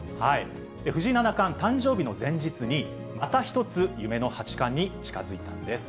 藤井七冠、誕生日の前日に、また一つ夢の八冠に近づいたんです。